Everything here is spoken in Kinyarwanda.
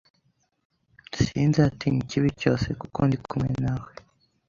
sinzatinya ikibi cyose kuko ndi kumwe nawe,